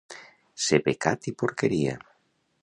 Ser pecat i porqueria.